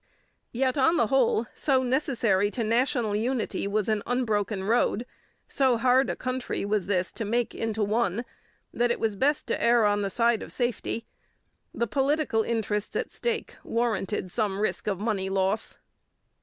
Yet, on the whole, so necessary to national unity was an unbroken road, so hard a country was this to make into one, that it was best to err on the side of safety. The political interests at stake warranted some risk of money loss.